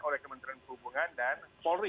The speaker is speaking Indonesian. oleh kementerian perhubungan dan polri